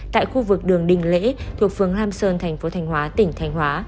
tại khu vực đường đình lễ thuộc phường lam sơn thành phố thành hóa tỉnh thanh hóa